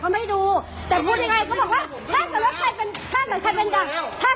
เขาไม่ดูแต่พูดยังไงเขาบอกว่าถ้าเกิดว่าใครเป็นถ้าเกิดใครเป็นดั่ง